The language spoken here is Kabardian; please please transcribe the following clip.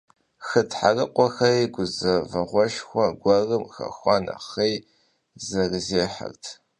Хы тхьэрыкъуэхэри, гузэвэгъуэшхуэ гуэрым хэхуа нэхъей, зэрызехьэрт.